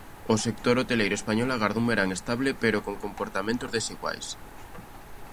O sector hoteleiro español agarda un verán estable pero con comportamentos desiguais.